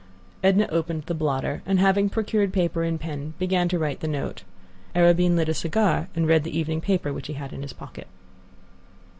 Edna opened the blotter, and having procured paper and pen, began to write the note. Arobin lit a cigar and read the evening paper, which he had in his pocket.